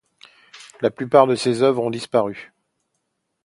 La plupart de ses œuvres ont disparu.